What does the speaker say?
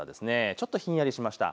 ちょっとひんやりしました。